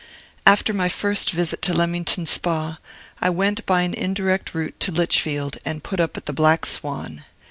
After my first visit to Leamington Spa, I went by an indirect route to Lichfield, and put up at the Black Swan.